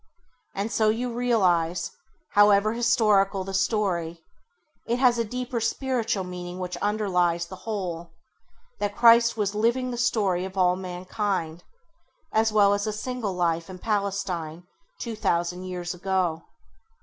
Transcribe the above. And so you realise, however historical the story, it has a deeper spiritual meaning which underlies the whole, that Christ was living the story of all mankind, as well as a single life in Palestine two thousand years ago.